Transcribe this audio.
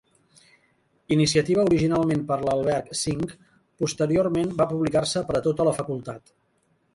Iniciativa originalment per l'alberg-V, posteriorment va publicar-se per a tota la facultat.